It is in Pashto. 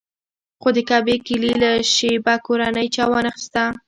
خو د کعبې کیلي له شیبه کورنۍ چا وانخیسته.